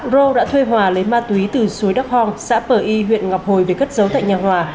rô đã thuê hòa lấy ma túy từ suối đắk hòn xã pờ y huyện ngọc hồi về cất giấu tại nhà hòa